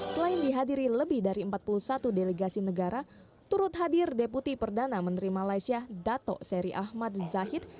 selain dihadiri lebih dari empat puluh satu delegasi negara turut hadir deputi perdana menteri malaysia dato seri ahmad zahid